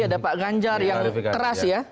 ada pak ganjar yang keras ya